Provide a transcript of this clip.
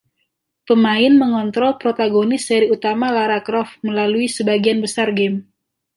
Pemain mengontrol protagonis seri utama Lara Croft melalui sebagian besar game.